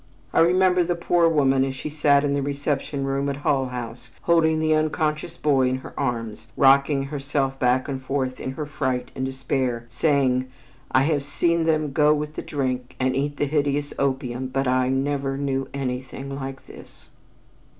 I remember the poor woman as she sat in the reception room at Hull House, holding the unconscious boy in her arms, rocking herself back and forth in her fright and despair, saying: "I have seen them go with the drink, and eat the hideous opium, but I never knew anything like this."